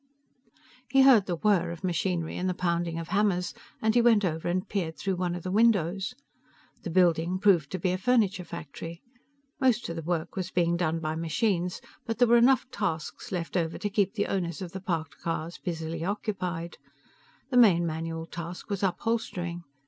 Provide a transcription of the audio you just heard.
He heard the whir of machinery and the pounding of hammers, and he went over and peered through one of the windows. The building proved to be a furniture factory. Most of the work was being done by machines, but there were enough tasks left over to keep the owners of the parked cars busily occupied. The main manual task was upholstering.